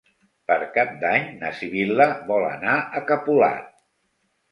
Per Cap d'Any na Sibil·la vol anar a Capolat.